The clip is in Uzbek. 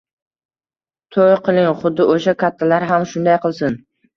To'y qiling! Xuddi o'sha kattalar ham shunday qilsin